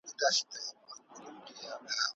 د ارغنداب سیند سره د خلکو اقتصادي حالت ښه سوی دی.